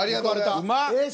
うまっ！